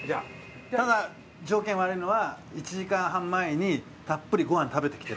ただ条件悪いのは１時間半前にたっぷりごはん食べてきてるんです。